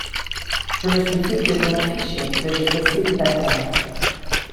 Je me suis dit que je m’en fichais, que j’étais célibataire.